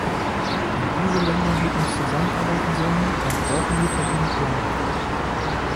Wenn diese Länder mit uns zusammenarbeiten sollen, dann brauchen wir von Ihnen Klarheit.